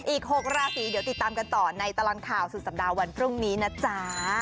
อีก๖ราศีเดี๋ยวติดตามกันต่อในตลอดข่าวสุดสัปดาห์วันพรุ่งนี้นะจ๊ะ